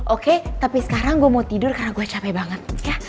oke tapi sekarang gue mau tidur karena gue capek banget